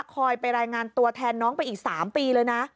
ไปรายงานตัวแทนน้องไปอีก๓ปีเลยนะ